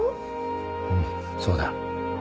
うんそうだ